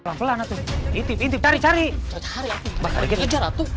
pelan pelan itu intip intip tarikari hari hari atau